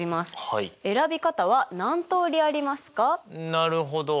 なるほど。